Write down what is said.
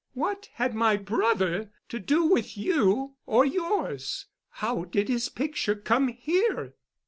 What had my brother to do with you or yours? How did his picture come here?"